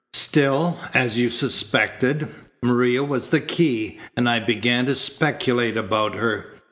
Still, as you suspected, Maria was the key, and I began to speculate about her.